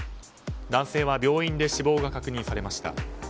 男性は病院で死亡が確認されました。